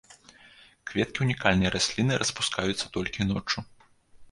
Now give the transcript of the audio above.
Кветкі ўнікальнай расліны распускаюцца толькі ноччу.